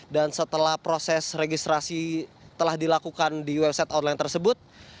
dan setelah proses registrasi telah dilakukan di website online tersebut